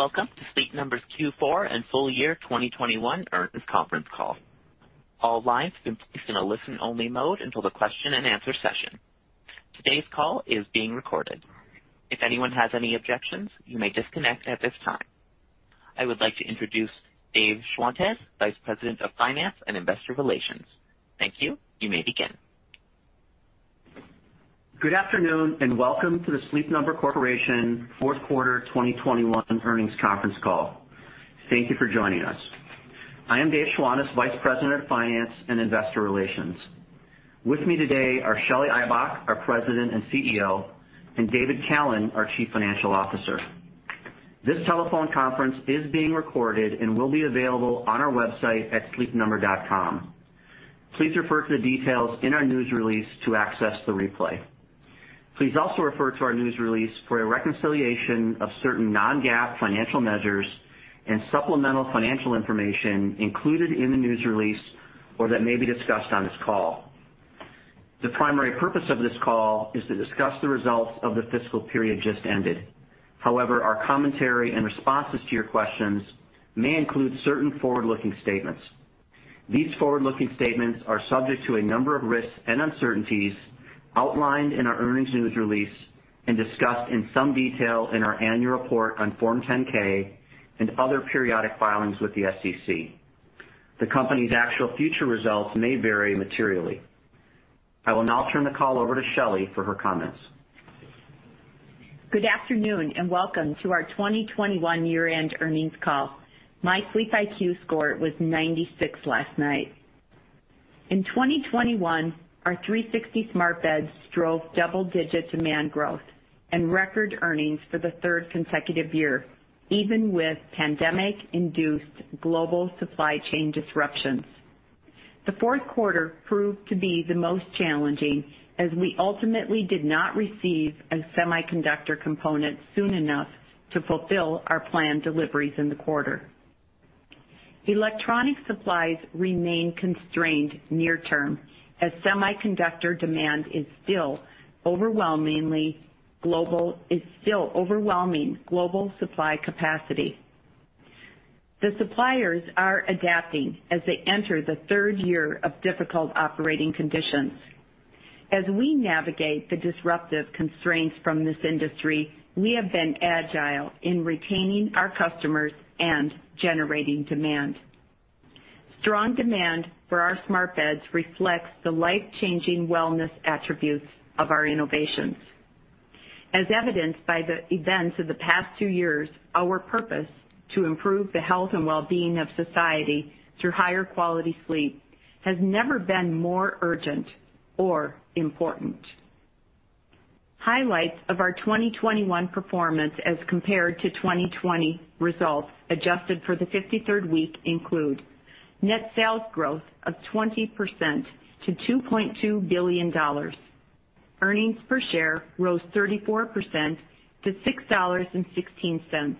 Welcome to Sleep Number's Q4 and full year 2021 earnings conference call. All lines have been placed in a listen-only mode until the question-and-answer session. Today's call is being recorded. If anyone has any objections, you may disconnect at this time. I would like to introduce David Schwantes, Vice President of Finance and Investor Relations. Thank you. You may begin. Good afternoon, and welcome to the Sleep Number Corporation fourth quarter 2021 earnings conference call. Thank you for joining us. I am David Schwantes, Vice President of Finance and Investor Relations. With me today are Shelly Ibach, our President and CEO, and David Callen, our Chief Financial Officer. This telephone conference is being recorded and will be available on our website at sleepnumber.com. Please refer to the details in our news release to access the replay. Please also refer to our news release for a reconciliation of certain non-GAAP financial measures and supplemental financial information included in the news release or that may be discussed on this call. The primary purpose of this call is to discuss the results of the fiscal period just ended. However, our commentary and responses to your questions may include certain forward-looking statements. These forward-looking statements are subject to a number of risks and uncertainties outlined in our earnings news release and discussed in some detail in our annual report on Form 10-K and other periodic filings with the SEC. The company's actual future results may vary materially. I will now turn the call over to Shelly for her comments. Good afternoon, and welcome to our 2021 year-end earnings call. My SleepIQ score was 96 last night. In 2021, our 360 smart beds drove double-digit demand growth and record earnings for the third consecutive year, even with pandemic-induced global supply chain disruptions. The fourth quarter proved to be the most challenging as we ultimately did not receive a semiconductor component soon enough to fulfill our planned deliveries in the quarter. Electronic supplies remain constrained near term as semiconductor demand is still overwhelming global supply capacity. The suppliers are adapting as they enter the third year of difficult operating conditions. As we navigate the disruptive constraints from this industry, we have been agile in retaining our customers and generating demand. Strong demand for our smart beds reflects the life-changing wellness attributes of our innovations. As evidenced by the events of the past two years, our purpose, to improve the health and well-being of society through higher quality sleep, has never been more urgent or important. Highlights of our 2021 performance as compared to 2020 results adjusted for the 53rd week include net sales growth of 20% to $2.2 billion. Earnings per share rose 34% to $6.16.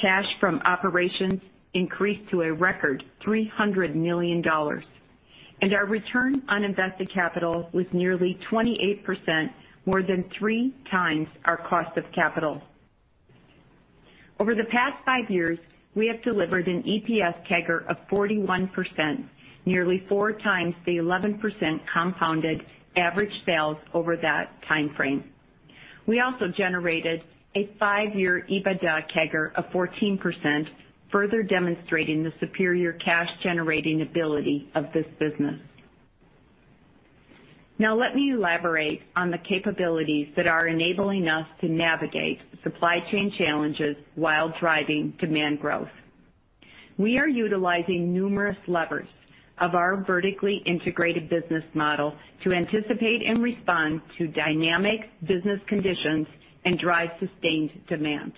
Cash from operations increased to a record $300 million, and our return on invested capital was nearly 28%, more than 3x our cost of capital. Over the past five years, we have delivered an EPS CAGR of 41%, nearly 4x the 11% compounded average sales over that timeframe. We also generated a five-year EBITDA CAGR of 14%, further demonstrating the superior cash-generating ability of this business. Now let me elaborate on the capabilities that are enabling us to navigate supply chain challenges while driving demand growth. We are utilizing numerous levers of our vertically integrated business model to anticipate and respond to dynamic business conditions and drive sustained demand.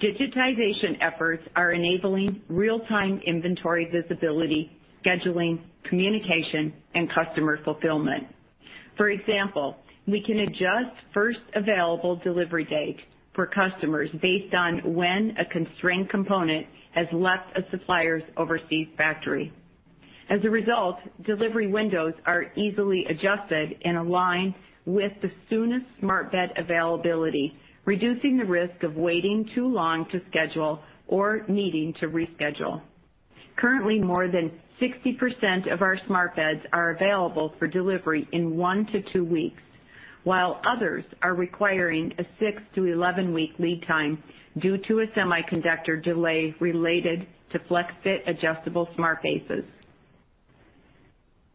Digitization efforts are enabling real-time inventory visibility, scheduling, communication, and customer fulfillment. For example, we can adjust first available delivery date for customers based on when a constrained component has left a supplier's overseas factory. As a result, delivery windows are easily adjusted and aligned with the soonest smart bed availability, reducing the risk of waiting too long to schedule or needing to reschedule. Currently, more than 60% of our smart beds are available for delivery in one to two weeks, while others are requiring a six to 11-week lead time due to a semiconductor delay related to FlexFit adjustable smart bases.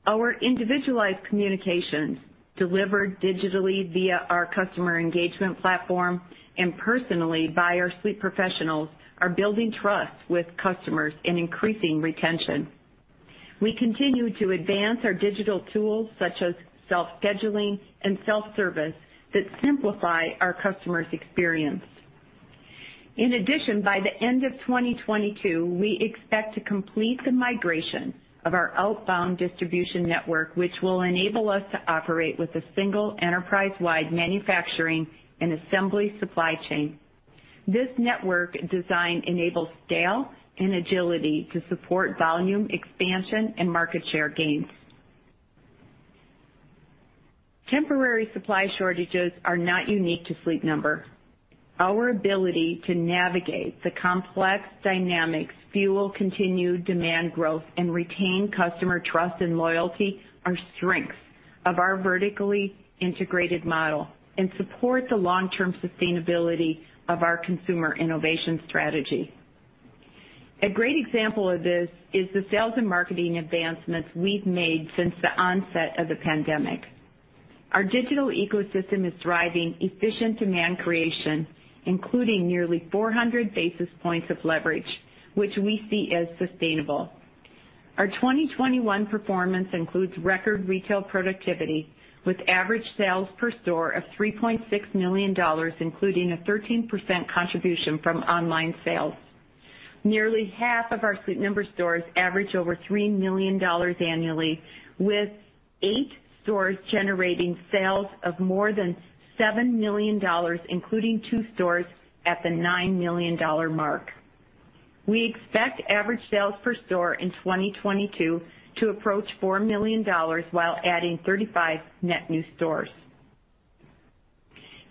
Our individualized communications, delivered digitally via our customer engagement platform and personally by our sleep professionals, are building trust with customers and increasing retention. We continue to advance our digital tools such as self-scheduling and self-service that simplify our customer's experience. In addition, by the end of 2022, we expect to complete the migration of our outbound distribution network, which will enable us to operate with a single enterprise-wide manufacturing and assembly supply chain. This network design enables scale and agility to support volume expansion and market share gains. Temporary supply shortages are not unique to Sleep Number. Our ability to navigate the complex dynamics, fuel continued demand growth and retain customer trust and loyalty, are strengths of our vertically integrated model and support the long-term sustainability of our consumer innovation strategy. A great example of this is the sales and marketing advancements we've made since the onset of the pandemic. Our digital ecosystem is driving efficient demand creation, including nearly 400 basis points of leverage, which we see as sustainable. Our 2021 performance includes record retail productivity with average sales per store of $3.6 million, including a 13% contribution from online sales. Nearly half of our Sleep Number stores average over $3 million annually, with eight stores generating sales of more than $7 million, including two stores at the $9 million mark. We expect average sales per store in 2022 to approach $4 million while adding 35 net new stores.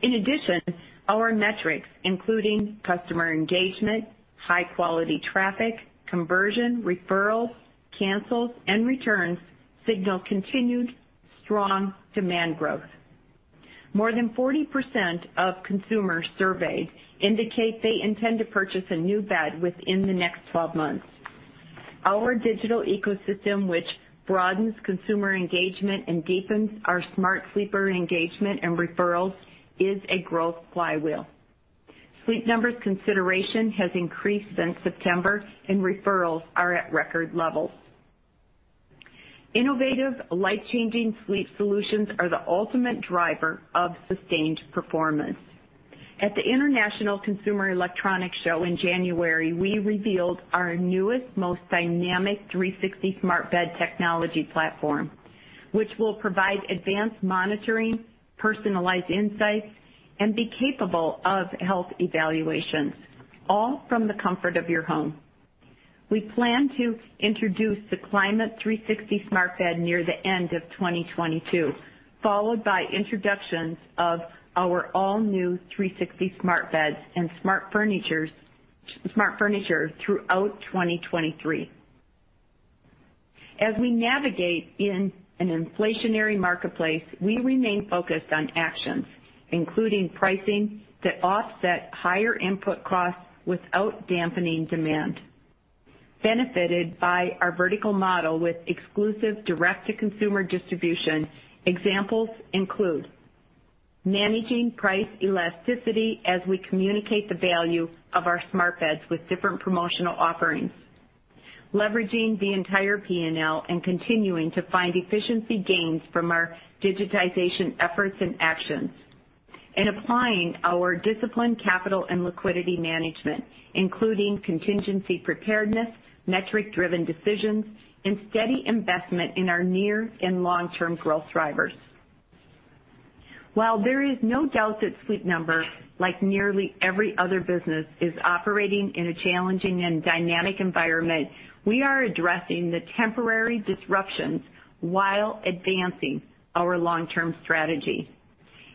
In addition, our metrics, including customer engagement, high-quality traffic, conversion, referrals, cancels, and returns, signal continued strong demand growth. More than 40% of consumers surveyed indicate they intend to purchase a new bed within the next 12 months. Our digital ecosystem, which broadens consumer engagement and deepens our smart sleeper engagement and referrals, is a growth flywheel. Sleep Number's consideration has increased since September, and referrals are at record levels. Innovative life-changing sleep solutions are the ultimate driver of sustained performance. At the International Consumer Electronics Show in January, we revealed our newest, most dynamic 360 smart bed technology platform, which will provide advanced monitoring, personalized insights, and be capable of health evaluations, all from the comfort of your home. We plan to introduce the Climate360 smart bed near the end of 2022, followed by introductions of our all-new 360 smart beds and smart furniture throughout 2023. As we navigate in an inflationary marketplace, we remain focused on actions, including pricing that offset higher input costs without dampening demand. Benefited by our vertical model with exclusive direct-to-consumer distribution, examples include managing price elasticity as we communicate the value of our smart beds with different promotional offerings, leveraging the entire P&L and continuing to find efficiency gains from our digitization efforts and actions, and applying our disciplined capital and liquidity management, including contingency preparedness, metric-driven decisions, and steady investment in our near and long-term growth drivers. While there is no doubt that Sleep Number, like nearly every other business, is operating in a challenging and dynamic environment, we are addressing the temporary disruptions while advancing our long-term strategy.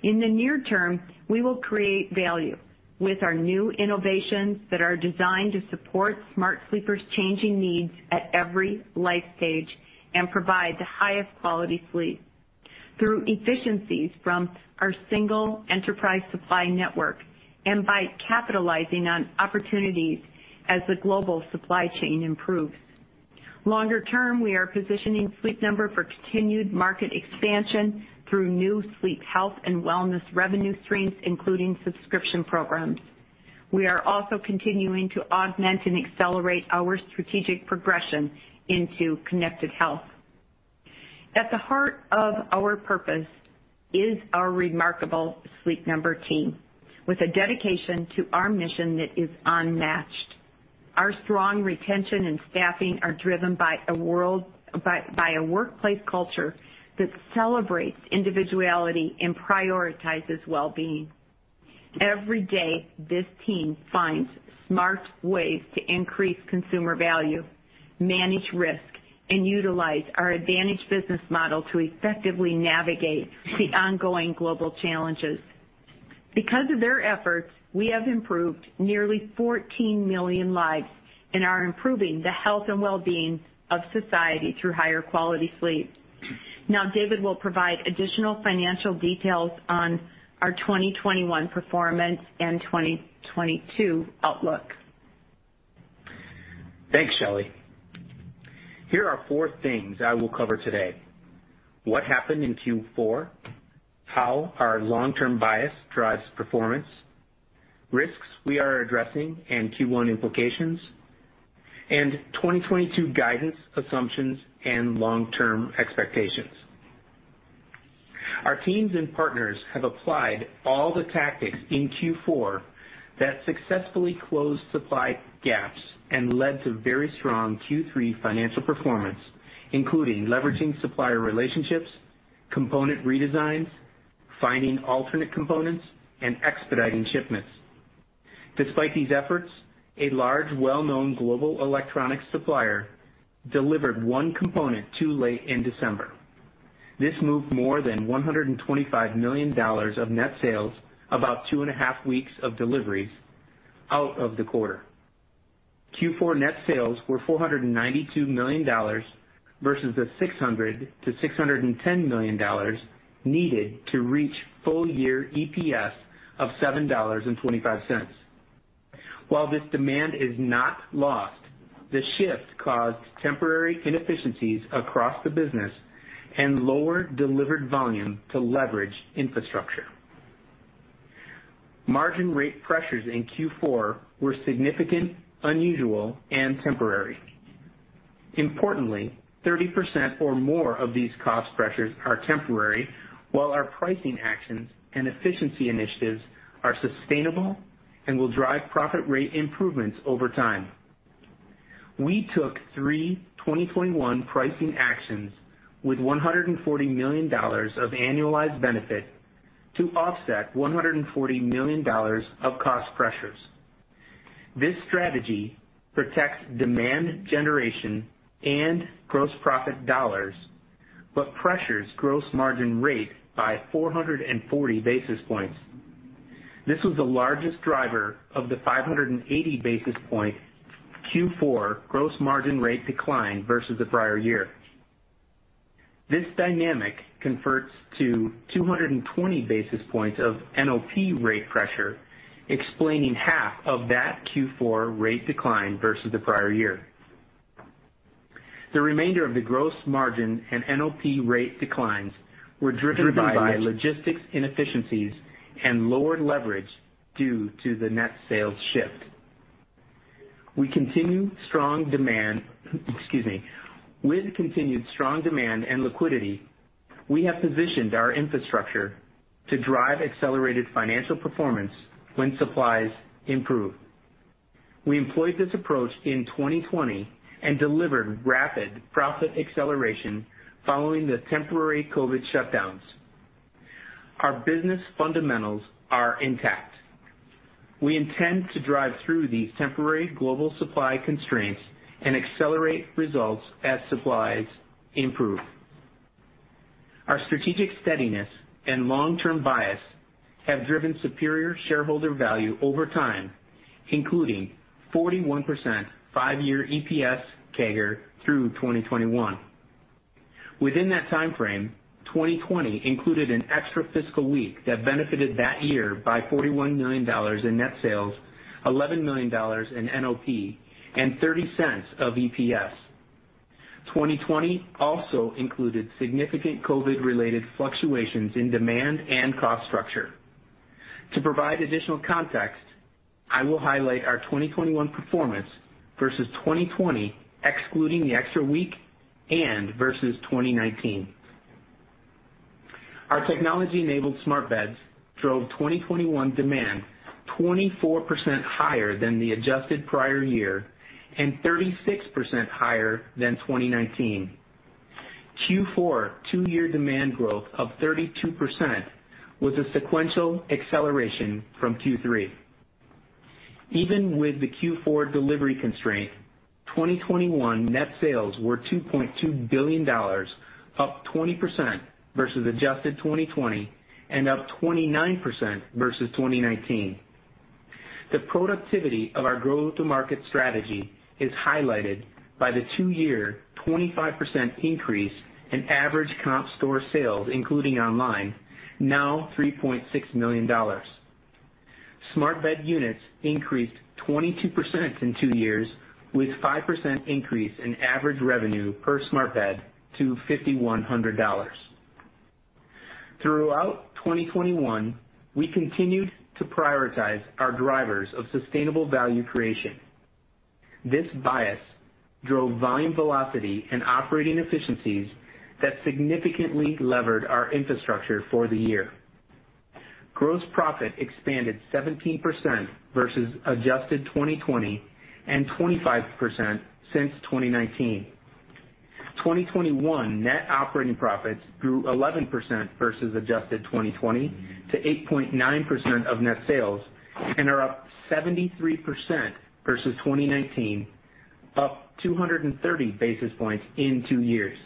In the near term, we will create value with our new innovations that are designed to support smart sleepers' changing needs at every life stage and provide the highest quality sleep through efficiencies from our single enterprise supply network and by capitalizing on opportunities as the global supply chain improves. Longer term, we are positioning Sleep Number for continued market expansion through new sleep health and wellness revenue streams, including subscription programs. We are also continuing to augment and accelerate our strategic progression into connected health. At the heart of our purpose is our remarkable Sleep Number team with a dedication to our mission that is unmatched. Our strong retention and staffing are driven by a workplace culture that celebrates individuality and prioritizes well-being. Every day, this team finds smart ways to increase consumer value, manage risk, and utilize our advantage business model to effectively navigate the ongoing global challenges. Because of their efforts, we have improved nearly 14 million lives and are improving the health and well-being of society through higher quality sleep. Now David will provide additional financial details on our 2021 performance and 2022 outlook. Thanks, Shelly. Here are four things I will cover today. What happened in Q4, how our long-term bias drives performance, risks we are addressing and Q1 implications, and 2022 guidance assumptions and long-term expectations. Our teams and partners have applied all the tactics in Q4 that successfully closed supply gaps and led to very strong Q3 financial performance, including leveraging supplier relationships, component redesigns, finding alternate components, and expediting shipments. Despite these efforts, a large, well-known global electronics supplier delivered one component too late in December. This moved more than $125 million of net sales, about 2.5 weeks of deliveries out of the quarter. Q4 net sales were $492 million versus the $600 million-$610 million needed to reach full-year EPS of $7.25. While this demand is not lost, the shift caused temporary inefficiencies across the business and lowered delivered volume to leverage infrastructure. Margin rate pressures in Q4 were significant, unusual, and temporary. Importantly, 30% or more of these cost pressures are temporary, while our pricing actions and efficiency initiatives are sustainable and will drive profit rate improvements over time. We took three 2021 pricing actions with $140 million of annualized benefit to offset $140 million of cost pressures. This strategy protects demand generation and gross profit dollars, but pressures gross margin rate by 440 basis points. This was the largest driver of the 580 basis point Q4 gross margin rate decline versus the prior year. This dynamic converts to 220 basis points of NOP rate pressure, explaining half of that Q4 rate decline versus the prior year. The remainder of the gross margin and NOP rate declines were driven by logistics inefficiencies and lowered leverage due to the net sales shift. With continued strong demand and liquidity, we have positioned our infrastructure to drive accelerated financial performance when supplies improve. We employed this approach in 2020 and delivered rapid profit acceleration following the temporary COVID shutdowns. Our business fundamentals are intact. We intend to drive through these temporary global supply constraints and accelerate results as supplies improve. Our strategic steadiness and long-term bias have driven superior shareholder value over time, including 41% five-year EPS CAGR through 2021. Within that time frame, 2020 included an extra fiscal week that benefited that year by $41 million in net sales, $11 million in NOP, and $0.30 of EPS. 2020 also included significant COVID related fluctuations in demand and cost structure. To provide additional context, I will highlight our 2021 performance versus 2020, excluding the extra week and versus 2019. Our technology-enabled smart beds drove 2021 demand 24% higher than the adjusted prior year and 36% higher than 2019. Q4 two-year demand growth of 32% was a sequential acceleration from Q3. Even with the Q4 delivery constraint, 2021 net sales were $2.2 billion, up 20% versus adjusted 2020 and up 29% versus 2019. The productivity of our go-to-market strategy is highlighted by the two-year 25% increase in average comp store sales, including online, now $3.6 million. Smart bed units increased 22% in two years with 5% increase in average revenue per smart bed to $5,100. Throughout 2021, we continued to prioritize our drivers of sustainable value creation. This bias drove volume velocity and operating efficiencies that significantly levered our infrastructure for the year. Gross profit expanded 17% versus adjusted 2020 and 25% since 2019. 2021 net operating profits grew 11% versus adjusted 2020 to 8.9% of net sales and are up 73% versus 2019, up 230 basis points in two years.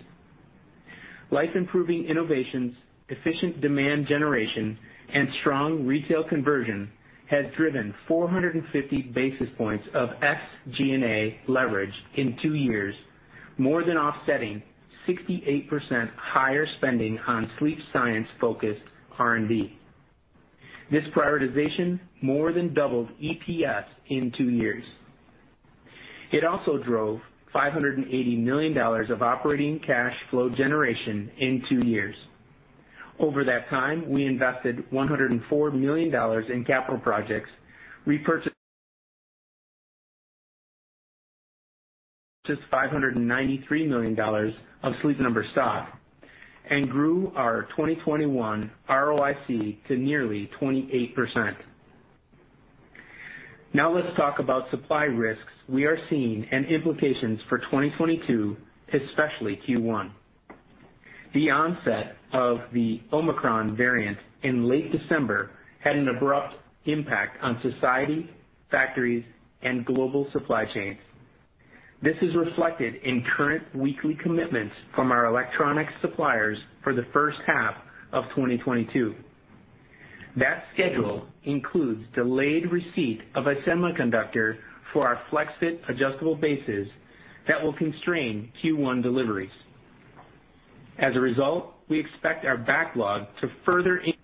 Life improving innovations, efficient demand generation and strong retail conversion has driven 450 basis points of SG&A leverage in two years, more than offsetting 68% higher spending on sleep science-focused R&D. This prioritization more than doubled EPS in two years. It also drove $580 million of operating cash flow generation in two years. Over that time, we invested $104 million in capital projects, repurchase $593 million of Sleep Number stock, and grew our 2021 ROIC to nearly 28%. Now, let's talk about supply risks we are seeing and implications for 2022, especially Q1. The onset of the Omicron variant in late December had an abrupt impact on society, factories, and global supply chains. This is reflected in current weekly commitments from our electronic suppliers for the first half of 2022. That schedule includes delayed receipt of a semiconductor for our FlexFit adjustable bases that will constrain Q1 deliveries. As a result, we expect our backlog to further increase.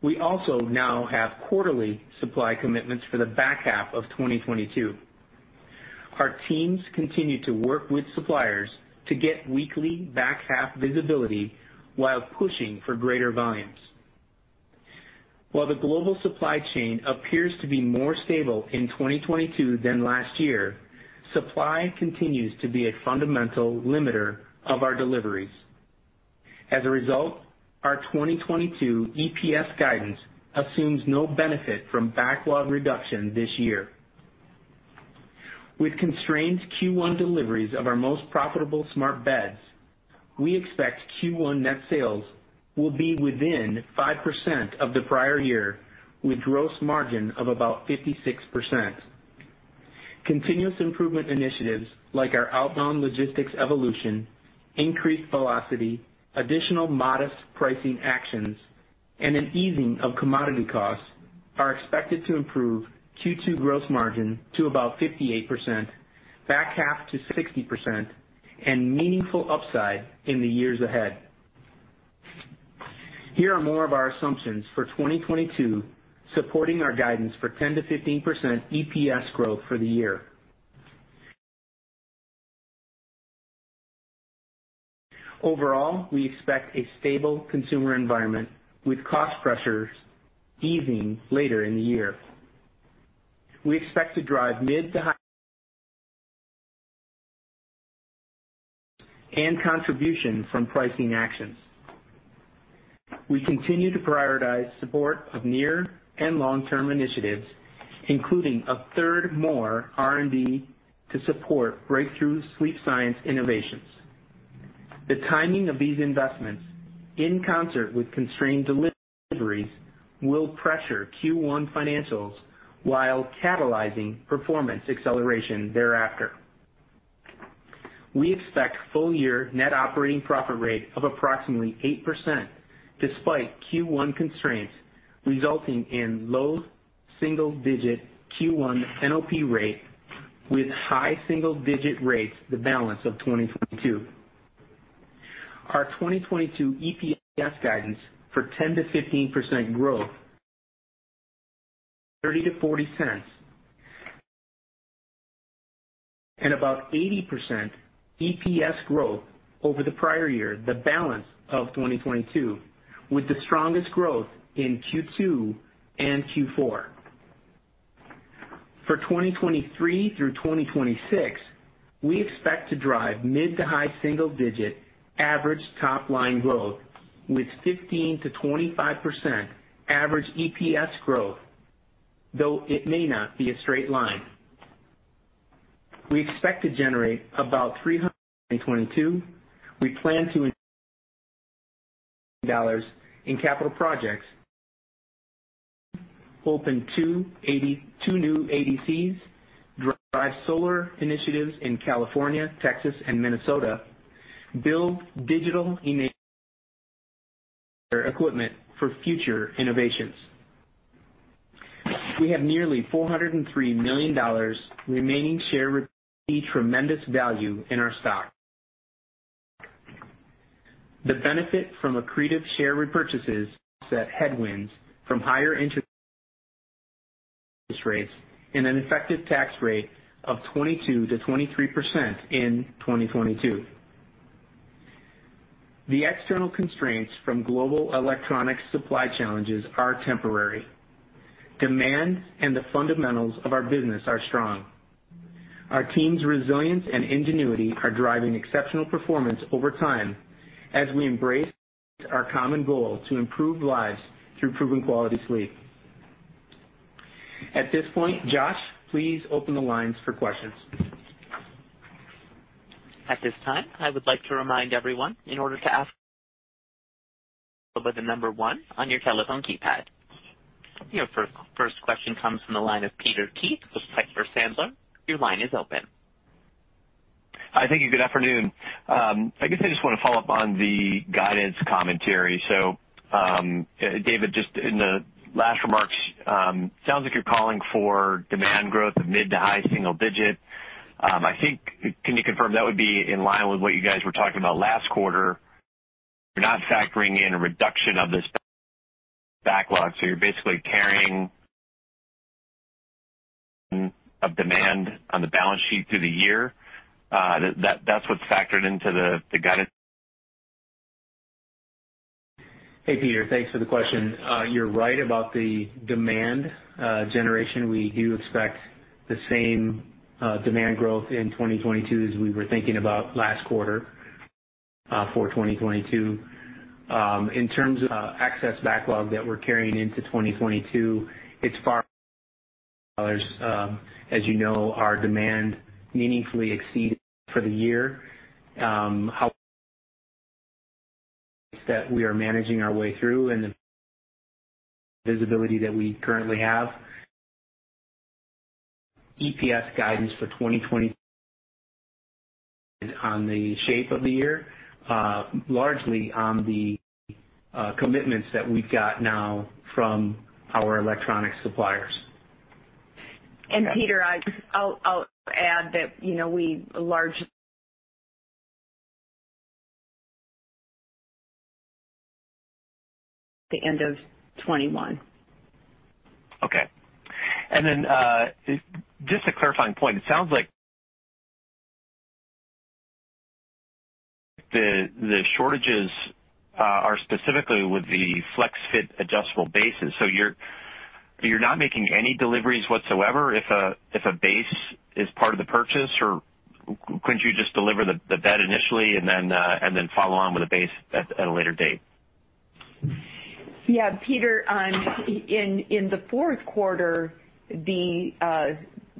We also now have quarterly supply commitments for the back half of 2022. Our teams continue to work with suppliers to get weekly back half visibility while pushing for greater volumes. While the global supply chain appears to be more stable in 2022 than last year, supply continues to be a fundamental limiter of our deliveries. As a result, our 2022 EPS guidance assumes no benefit from backlog reduction this year. With constrained Q1 deliveries of our most profitable smart beds, we expect Q1 net sales will be within 5% of the prior year, with gross margin of about 56%. Continuous improvement initiatives, like our outbound logistics evolution, increased velocity, additional modest pricing actions, and an easing of commodity costs are expected to improve Q2 gross margin to about 58%, back half to 60%, and meaningful upside in the years ahead. Here are more of our assumptions for 2022, supporting our guidance for 10%-15% EPS growth for the year. Overall, we expect a stable consumer environment, with cost pressures easing later in the year. We expect to drive mid- to high-single-digit contribution from pricing actions. We continue to prioritize support of near and long-term initiatives, including 1/3 more R&D to support breakthrough sleep science innovations. The timing of these investments, in concert with constrained deliveries, will pressure Q1 financials while catalyzing performance acceleration thereafter. We expect full-year net operating profit rate of approximately 8% despite Q1 constraints, resulting in low single-digit Q1 NOP rate with high single-digit rates the balance of 2022. Our 2022 EPS guidance for 10%-15% growth, $0.30-$0.40, and about 80% EPS growth over the prior year, the balance of 2022, with the strongest growth in Q2 and Q4. For 2023 through 2026, we expect to drive mid to high single-digit average top-line growth with 15%-25% average EPS growth, though it may not be a straight line. We expect to generate about $300 million in 2022. We plan to invest dollars in capital projects. Open two new ADCs, drive solar initiatives in California, Texas, and Minnesota, build digital enabling equipment for future innovations. We have nearly $403 million remaining share tremendous value in our stock. The benefit from accretive share repurchases offset headwinds from higher interest rates and an effective tax rate of 22%-23% in 2022. The external constraints from global electronic supply challenges are temporary. Demand and the fundamentals of our business are strong. Our team's resilience and ingenuity are driving exceptional performance over time as we embrace our common goal to improve lives through proven quality sleep. At this point, Josh, please open the lines for questions. At this time, I would like to remind everyone, in order to ask a question, press number one on your telephone keypad. Your first question comes from the line of Peter Keith with Piper Sandler. Your line is open. Hi. Thank you. Good afternoon. I guess I just want to follow up on the guidance commentary. David, just in the last remarks, it sounds like you're calling for demand growth of mid- to high-single-digit. Can you confirm that would be in line with what you guys were talking about last quarter? You're not factoring in a reduction of this backlog, so you're basically carrying a demand on the balance sheet through the year. That's what's factored into the guidance. Hey, Peter. Thanks for the question. You're right about the demand generation. We do expect the same demand growth in 2022 as we were thinking about last quarter for 2022. In terms of excess backlog that we're carrying into 2022, as you know, our demand meaningfully exceeded for the year. That we are managing our way through and the visibility that we currently have. EPS guidance for 2022 on the shape of the year largely on the commitments that we've got now from our electronics suppliers. Peter, I'll add that, you know, we largely the end of 2021. Okay. Just a clarifying point. It sounds like the shortages are specifically with the FlexFit adjustable bases. You're not making any deliveries whatsoever if a base is part of the purchase, or couldn't you just deliver the bed initially and then follow on with a base at a later date? Yeah, Peter, in the fourth quarter, the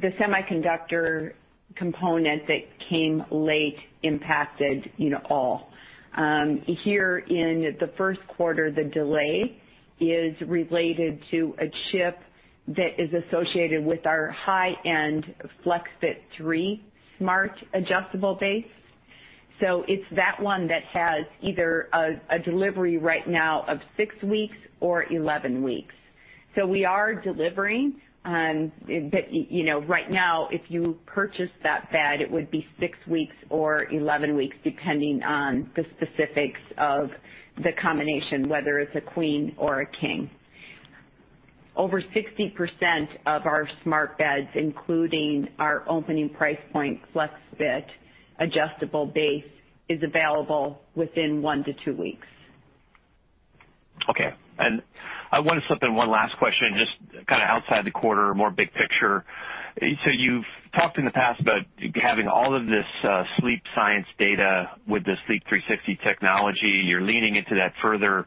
semiconductor component that came late impacted, you know, all. Here in the first quarter, the delay is related to a chip that is associated with our high-end FlexFit 3 smart adjustable base. It's that one that has either a delivery right now of six weeks or 11 weeks. We are delivering, but, you know, right now, if you purchase that bed, it would be six weeks or 11 weeks, depending on the specifics of the combination, whether it's a queen or a king. Over 60% of our smart beds, including our opening price point FlexFit adjustable base, is available within one to two weeks. Okay. I wanna slip in one last question, just kinda outside the quarter, more big picture. You've talked in the past about having all of this, sleep science data with the Sleep Number 360 technology. You're leaning into that further.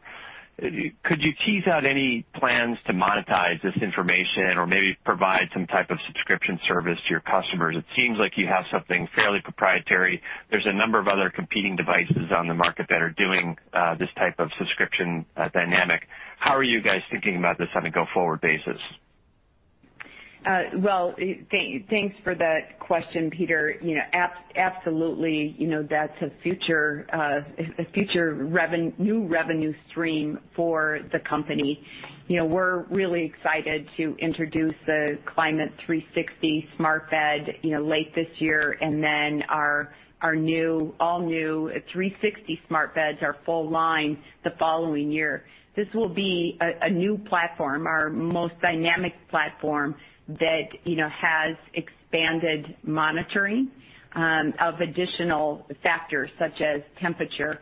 Could you tease out any plans to monetize this information or maybe provide some type of subscription service to your customers? It seems like you have something fairly proprietary. There's a number of other competing devices on the market that are doing, this type of subscription dynamic. How are you guys thinking about this on a go-forward basis? Thanks for that question, Peter. You know, absolutely, you know, that's a future new revenue stream for the company. You know, we're really excited to introduce the Climate360 smart bed, you know, late this year, and then our all new 360 smart beds, our full line, the following year. This will be a new platform, our most dynamic platform that, you know, has expanded monitoring of additional factors such as temperature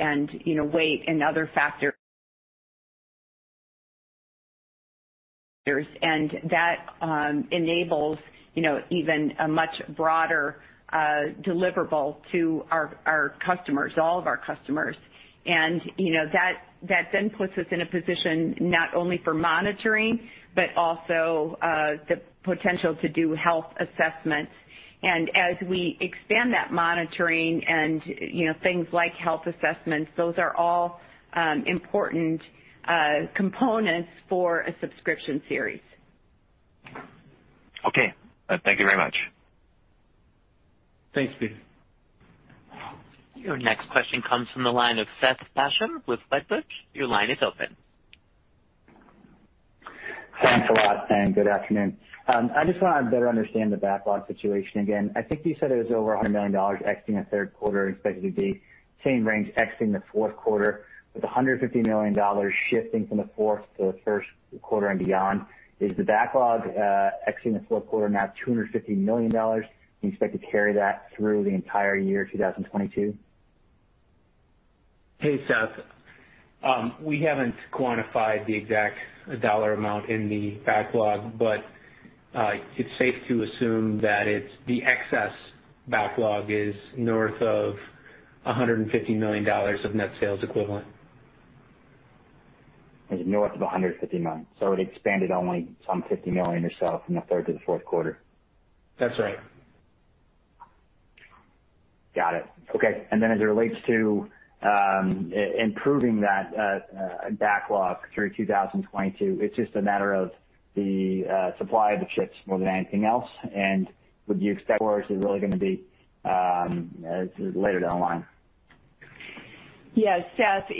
and, you know, weight and other factors. You know, that then puts us in a position not only for monitoring, but also the potential to do health assessments. As we expand that monitoring and, you know, things like health assessments, those are all important components for a subscription series. Okay. Thank you very much. Thanks, Peter. Your next question comes from the line of Seth Basham with Wedbush. Your line is open. Thanks a lot, and good afternoon. I just wanna better understand the backlog situation again. I think you said it was over $100 million exiting the third quarter, expected to be same range exiting the fourth quarter, with $150 million shifting from the fourth to the first quarter and beyond. Is the backlog exiting the fourth quarter now $250 million? Do you expect to carry that through the entire year, 2022? Hey, Seth. We haven't quantified the exact dollar amount in the backlog, but it's safe to assume that the excess backlog is north of $150 million of net sales equivalent. North of $150 million, so it expanded only some $50 million or so from the third to the fourth quarter. That's right. Got it. Okay. As it relates to improving that backlog through 2022, it's just a matter of the supply of the chips more than anything else. Would you expect orders is really gonna be later down the line? Yeah, Seth,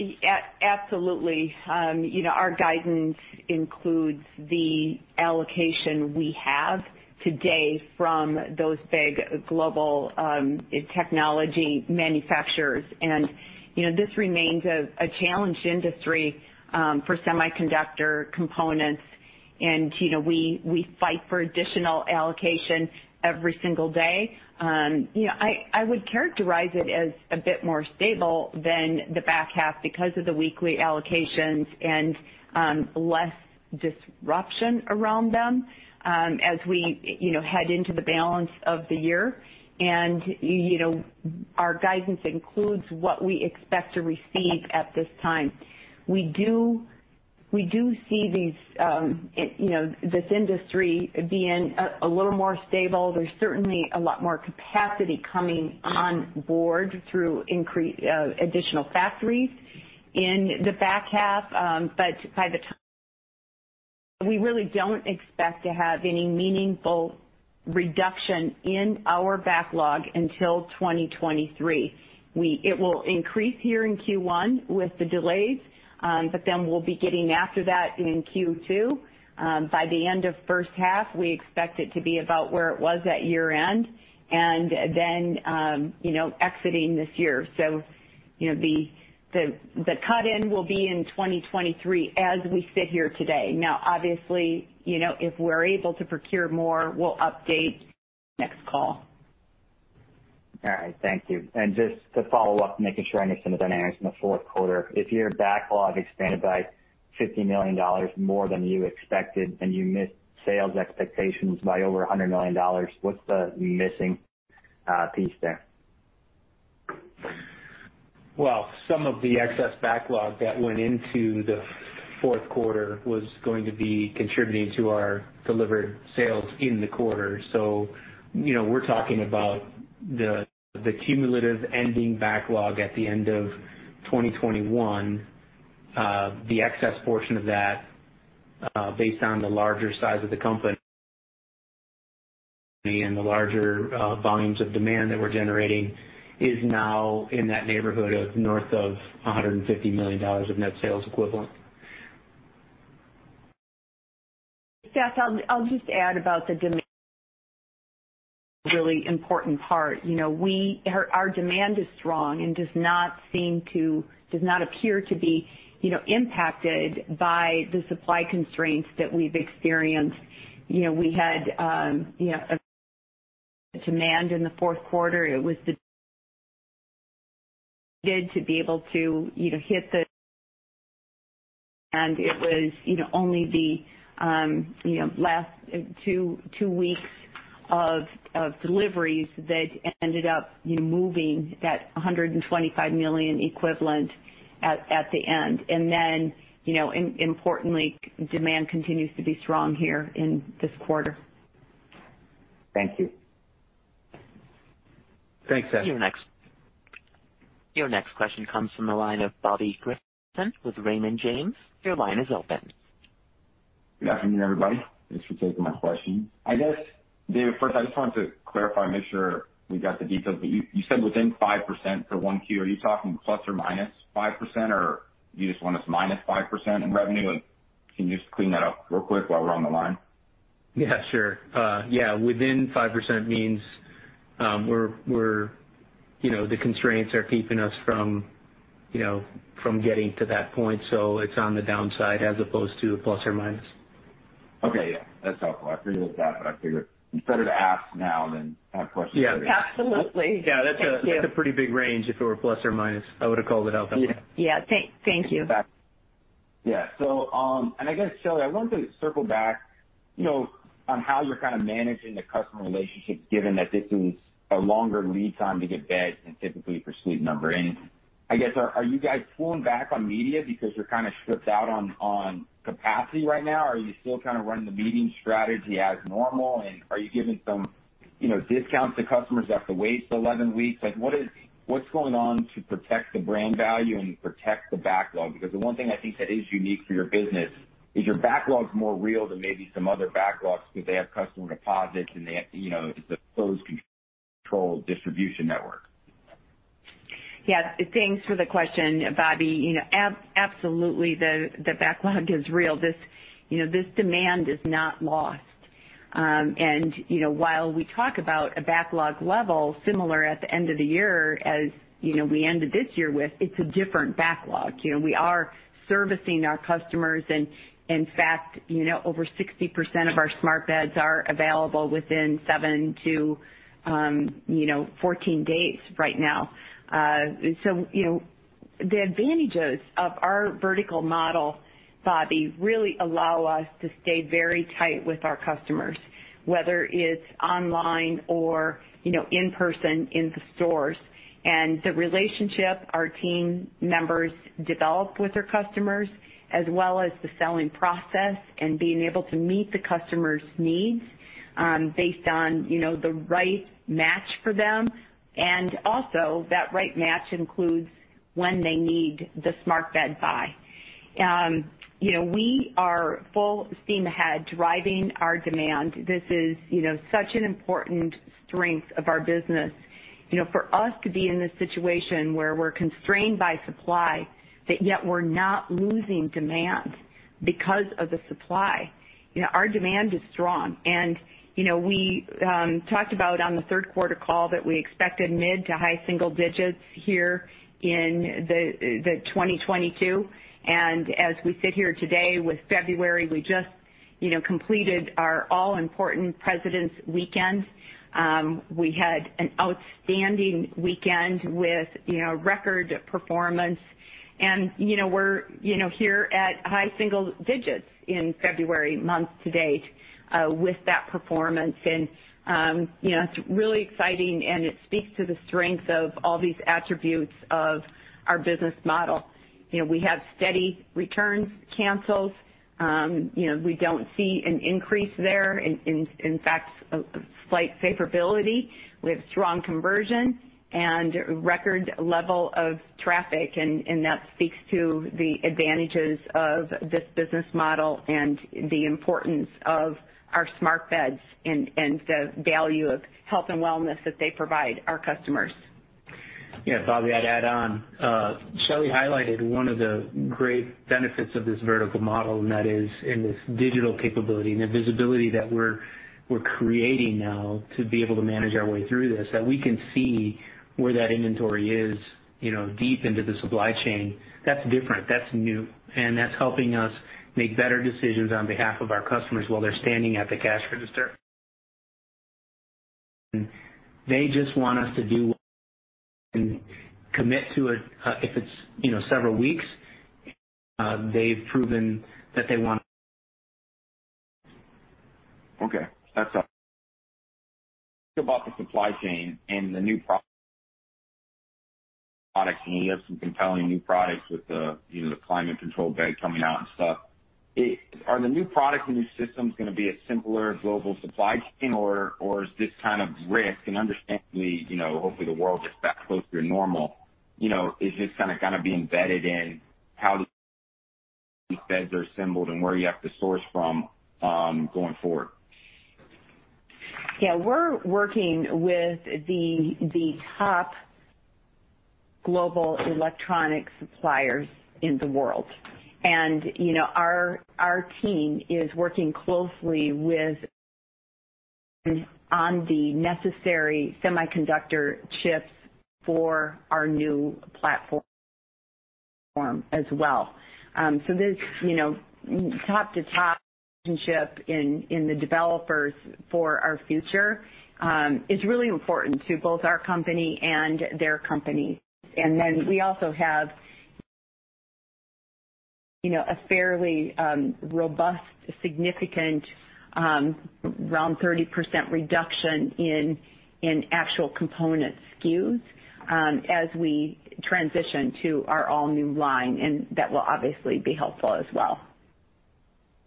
absolutely. Our guidance includes the allocation we have today from those big global technology manufacturers. This remains a challenged industry for semiconductor components. We fight for additional allocation every single day. I would characterize it as a bit more stable than the back half because of the weekly allocations and less disruption around them as we head into the balance of the year. Our guidance includes what we expect to receive at this time. We do see this industry being a little more stable. There's certainly a lot more capacity coming on board through additional factories in the back half. By the time we really don't expect to have any meaningful reduction in our backlog until 2023. It will increase here in Q1 with the delays, but then we'll be getting after that in Q2. By the end of first half, we expect it to be about where it was at year-end and then, you know, exiting this year. You know, the cut in will be in 2023 as we sit here today. Now, obviously, you know, if we're able to procure more, we'll update next call. All right. Thank you. Just to follow up, making sure I understand the dynamics in the fourth quarter. If your backlog expanded by $50 million more than you expected and you missed sales expectations by over $100 million, what's the missing piece there? Well, some of the excess backlog that went into the fourth quarter was going to be contributing to our delivered sales in the quarter. You know, we're talking about the cumulative ending backlog at the end of 2021. The excess portion of that, based on the larger size of the company and the larger volumes of demand that we're generating is now in that neighborhood of north of $150 million of net sales equivalent. Seth, I'll just add about the demand, really important part. You know, our demand is strong and does not appear to be, you know, impacted by the supply constraints that we've experienced. You know, we had demand in the fourth quarter. It was to be able to hit the. It was only the last two weeks of deliveries that ended up moving that $125 million equivalent at the end. Then, you know, importantly, demand continues to be strong here in this quarter. Thank you. Thanks, Seth. Your next question comes from the line of Bobby Griffin with Raymond James. Your line is open. Good afternoon, everybody. Thanks for taking my question. I guess, Dave, first, I just wanted to clarify, make sure we got the details. You said within 5% for 1Q. Are you talking ±5%, or you just want us -5% in revenue? Like, can you just clean that up real quick while we're on the line? Yeah, sure. Yeah, within 5% means, we're, you know, the constraints are keeping us from, you know, from getting to that point. It's on the downside as opposed to a plus or minus. Okay. Yeah, that's helpful. I figured it was that, but I figured it's better to ask now than have questions later. Yeah, absolutely. Thank you. Yeah. That's a pretty big range if it were plus or minus. I would have called it out that way. Yeah. Thank you. I guess, Shelly, I wanted to circle back, you know, on how you're kind of managing the customer relationships, given that this is a longer lead time to get a bed than typically for Sleep Number. I guess, are you guys pulling back on media because you're kind of sold out on capacity right now? Are you still kind of running the media strategy as normal? Are you giving some, you know, discounts to customers who have to wait for 11 weeks? Like, what's going on to protect the brand value and protect the backlog? Because the one thing I think that is unique for your business is your backlog's more real than maybe some other backlogs because they have customer deposits and they have, you know, the closely controlled distribution network. Yes, thanks for the question, Bobby. You know, absolutely, the backlog is real. This, you know, this demand is not lost. While we talk about a backlog level similar at the end of the year, as, you know, we ended this year with, it's a different backlog. You know, we are servicing our customers, and in fact, you know, over 60% of our smart beds are available within seven to 14 days right now. The advantages of our vertical model, Bobby, really allow us to stay very tight with our customers, whether it's online or in person in the stores. The relationship our team members develop with their customers, as well as the selling process and being able to meet the customer's needs, based on the right match for them. Also, that right match includes when they need the smart bed by. You know, we are full steam ahead driving our demand. This is, you know, such an important strength of our business, you know, for us to be in this situation where we're constrained by supply, but yet we're not losing demand because of the supply. You know, our demand is strong. You know, we talked about on the third quarter call that we expected mid- to high-single digits here in the 2022. As we sit here today with February, we just, you know, completed our all-important President's weekend. We had an outstanding weekend with, you know, record performance. You know, we're, you know, here at high single digits in February month to date with that performance. You know, it's really exciting, and it speaks to the strength of all these attributes of our business model. You know, we have steady return cancellations. You know, we don't see an increase there. In fact, a slight favorability with strong conversion and record level of traffic, and that speaks to the advantages of this business model and the importance of our smart beds and the value of health and wellness that they provide our customers. Yeah, Bobby, I'd add on. Shelly highlighted one of the great benefits of this vertical model, and that is in this digital capability and the visibility that we're creating now to be able to manage our way through this, that we can see where that inventory is, you know, deep into the supply chain. That's different, that's new, and that's helping us make better decisions on behalf of our customers while they're standing at the cash register. They just want us to do and commit to it, if it's, you know, several weeks, they've proven that they want. Okay. That's all. About the supply chain and the new product, and you have some compelling new products with the, you know, the climate control bed coming out and stuff. Are the new products and new systems gonna be a simpler global supply chain or is this kind of risk and understandably, you know, hopefully, the world is back closer to normal, you know, is this kinda gonna be embedded in how these beds are assembled and where you have to source from, going forward? Yeah. We're working with the top global electronics suppliers in the world. You know, our team is working closely with on the necessary semiconductor chips for our new platform as well. There's, you know, top to top relationship in the developers for our future is really important to both our company and their company. We also have, you know, a fairly robust, significant, around 30% reduction in actual component SKUs as we transition to our all-new line, and that will obviously be helpful as well.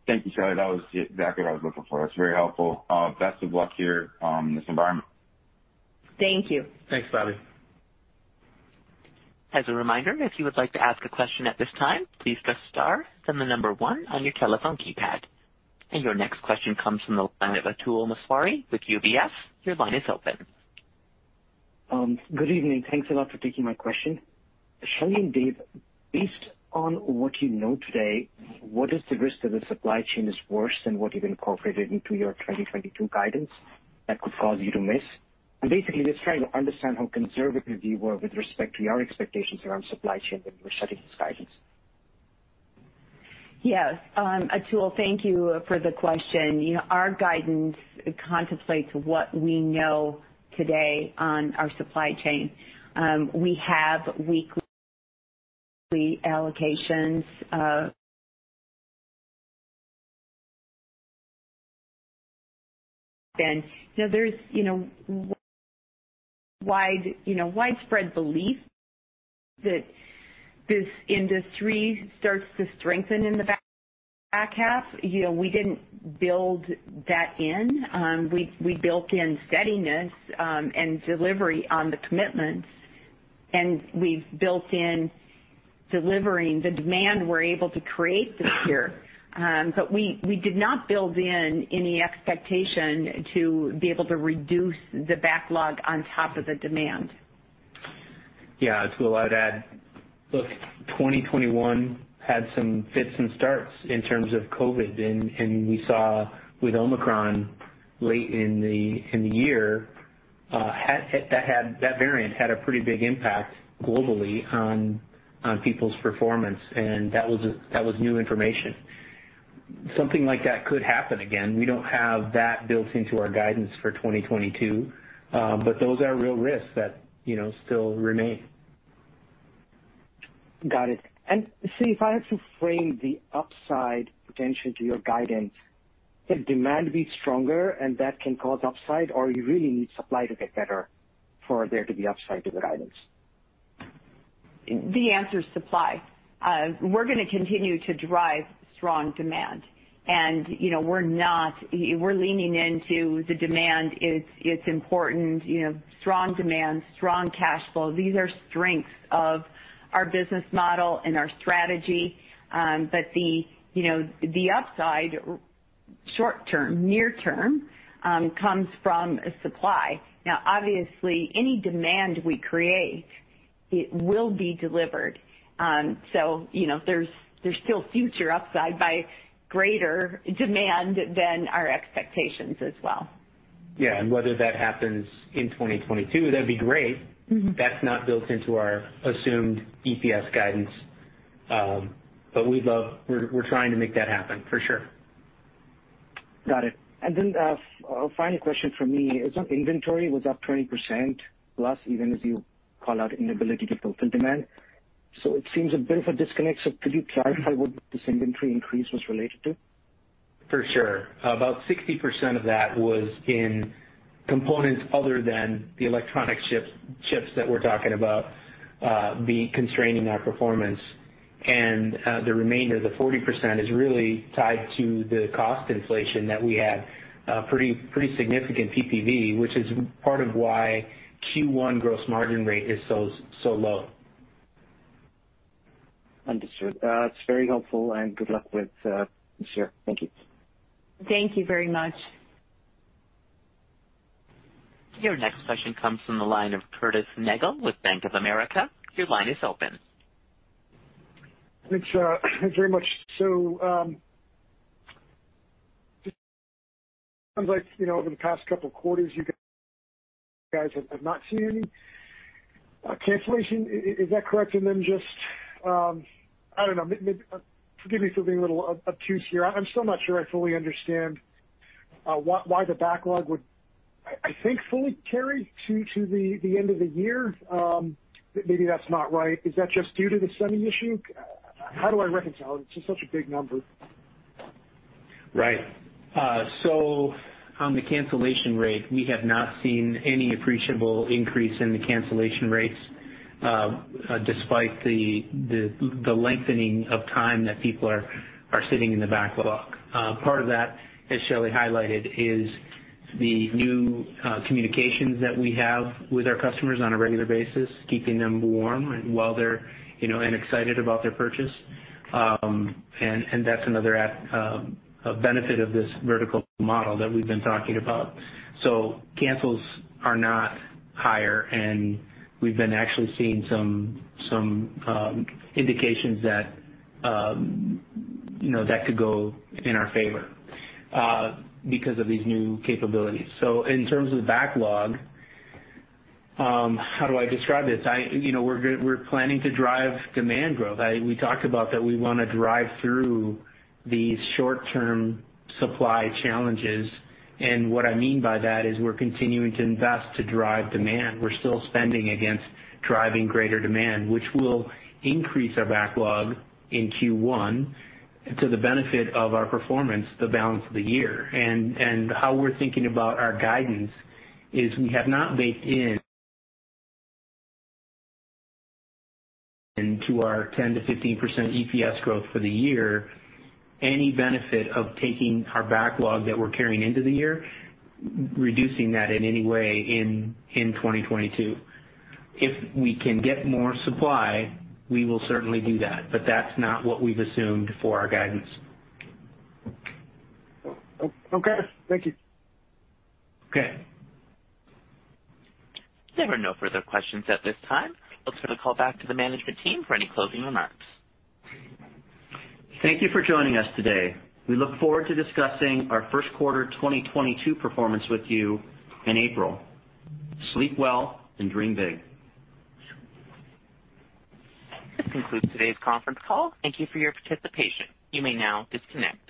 Thank you, Shelly. That was exactly what I was looking for. It's very helpful. Best of luck here in this environment. Thank you. Thanks, Bobby. As a reminder, if you would like to ask a question at this time, please press star, then the number one on your telephone keypad. Your next question comes from the line of Atul Maheswari with UBS. Your line is open. Good evening. Thanks a lot for taking my question. Shelly and Dave, based on what you know today, what is the risk that the supply chain is worse than what you've incorporated into your 2022 guidance that could cause you to miss? Basically just trying to understand how conservative you were with respect to your expectations around supply chain when you were setting this guidance. Yes. Atul, thank you for the question. You know, our guidance contemplates what we know today on our supply chain. We have weekly allocations. You know, there's widespread belief that this industry starts to strengthen in the back half. You know, we didn't build that in. We built in steadiness and delivery on the commitments, and we've built in delivering the demand we're able to create this year. We did not build in any expectation to be able to reduce the backlog on top of the demand. Yeah. Atul, I'd add. Look, 2021 had some fits and starts in terms of COVID, and we saw with Omicron late in the year. That variant had a pretty big impact globally on people's performance, and that was new information. Something like that could happen again. We don't have that built into our guidance for 2022, but those are real risks that, you know, still remain. Got it. See, if I had to frame the upside potential to your guidance, can demand be stronger and that can cause upside, or you really need supply to get better for there to be upside to the guidance? The answer is supply. We're gonna continue to drive strong demand. You know, we're leaning into the demand. It's important, you know, strong demand, strong cash flow. These are strengths of our business model and our strategy. But the, you know, the upside short term, near term, comes from supply. Now, obviously, any demand we create, it will be delivered. You know, there's still future upside by greater demand than our expectations as well. Yeah. Whether that happens in 2022, that'd be great. That's not built into our assumed EPS guidance. We're trying to make that happen for sure. Got it. A final question from me. I think inventory was up 20%+, even as you call out inability to fulfill demand. It seems a bit of a disconnect. Could you clarify what this inventory increase was related to? For sure. About 60% of that was in components other than the electronic chips that we're talking about being constraining our performance. The remainder, the 40% is really tied to the cost inflation that we had, pretty significant PPV, which is part of why Q1 gross margin rate is so low. Understood. It's very helpful and good luck with this year. Thank you. Thank you very much. Your next question comes from the line of Curtis Nagle with Bank of America. Your line is open. Thanks very much. Just sounds like, you know, over the past couple of quarters, you guys have not seen any cancellation. Is that correct? Just, I don't know. Forgive me for being a little obtuse here. I'm still not sure I fully understand why the backlog would, I think, fully carry to the end of the year. Maybe that's not right. Is that just due to the semi issue? How do I reconcile? It's just such a big number. Right. On the cancellation rate, we have not seen any appreciable increase in the cancellation rates, despite the lengthening of time that people are sitting in the backlog. Part of that, as Shelly highlighted, is the new communications that we have with our customers on a regular basis, keeping them warm while they're, you know, and excited about their purchase. And that's another benefit of this vertical model that we've been talking about. Cancels are not higher, and we've been actually seeing some indications that, you know, that could go in our favor, because of these new capabilities. In terms of backlog, how do I describe this? You know, we're planning to drive demand growth. We talked about that we want to drive through these short-term supply challenges. What I mean by that is we're continuing to invest to drive demand. We're still spending against driving greater demand, which will increase our backlog in Q1 to the benefit of our performance, the balance of the year. How we're thinking about our guidance is we have not baked in to our 10%-15% EPS growth for the year any benefit of taking our backlog that we're carrying into the year, reducing that in any way in 2022. If we can get more supply, we will certainly do that. That's not what we've assumed for our guidance. Okay. Thank you. Okay. There are no further questions at this time. I'll turn the call back to the management team for any closing remarks. Thank you for joining us today. We look forward to discussing our first quarter 2022 performance with you in April. Sleep well and dream big. This concludes today's conference call. Thank you for your participation. You may now disconnect.